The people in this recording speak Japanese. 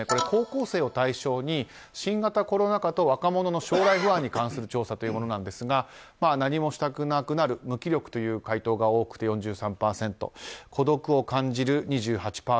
高校生を対象に新型コロナ禍と若者の将来不安に関する調査というものですが何もしたくなくなる無気力という回答が多くて４３％孤独を感じるが２８％。